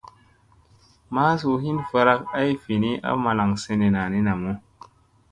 Masu hin varak ay vini a malaŋ senena ni namu.